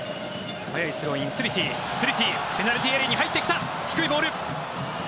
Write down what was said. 速いスローインスリティペナルティーエリアに入ってきた低いボール。